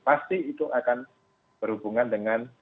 pasti itu akan berhubungan dengan